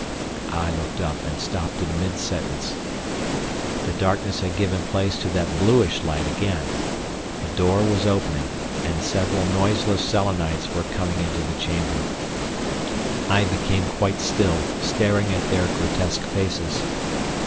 I looked up, and stopped in mid sentence. The darkness had given place to that bluish light again. The door was opening, and several noiseless Selenites were coming into the chamber. I became quite still, staring at their grotesque faces.